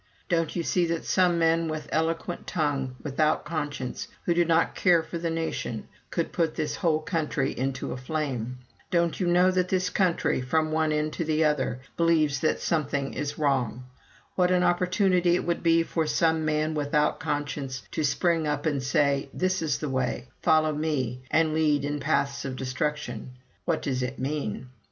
... Don't you know that some man with eloquent tongue, without conscience, who did not care for the nation, could put this whole country into a flame? Don't you know that this country, from one end to the other, believes that something is wrong? What an opportunity it would be for some man without conscience to spring up and say: "This is the way; follow me" and lead in paths of destruction!' What does it mean?